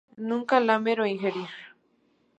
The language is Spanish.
Nunca lamer o ingerir.